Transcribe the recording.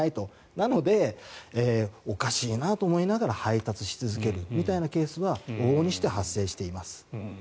なのでおかしいと思いながら配達し続けるみたいなケースは往々にして発生しています。